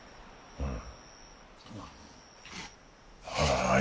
うん！